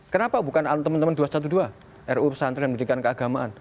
kenapa bukan temen temen dua ratus dua belas ruu pesantren pendidikan keagamaan